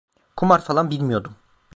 Kumar falan bilmiyordum.